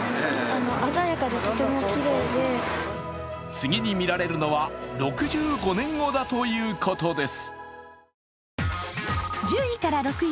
次に見られるのは６５年後だということです。